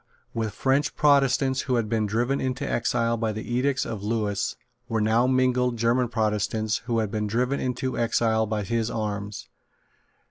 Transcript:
With French Protestants who had been driven into exile by the edicts of Lewis were now mingled German Protestants who had been driven into exile by his arms.